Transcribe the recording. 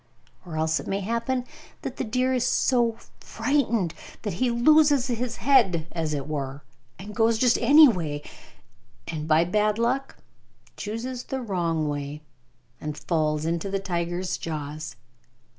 Or else it may happen that the deer is so frightened that he loses his head, as it were, and goes just any way and by bad luck chooses the wrong way, and falls into the tiger's jaws.